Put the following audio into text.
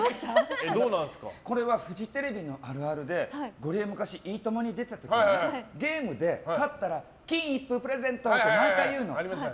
これはフジテレビのあるあるで昔、「いいとも」に出てた時にゲームで勝ったら金一封プレゼントで毎回言うのよ。